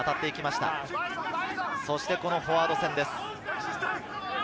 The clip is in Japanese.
そしてフォワード戦です。